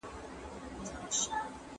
د حق او باطل تر منځ به بشپړ توپير روښانه سي.